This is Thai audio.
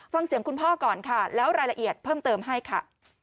ฟังเสียงคุณพ่อก่อนค่ะแล้วรายละเอียดเพิ่มเติมให้ค่ะ